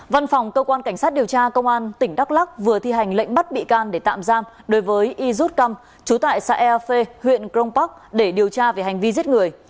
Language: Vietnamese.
văn phòng cơ quan cảnh sát điều tra công an tỉnh đắk lắc vừa thi hành lệnh bắt bị can để tạm giam đối với yirut kam chú tại xã efe huyện krongpak để điều tra về hành vi giết người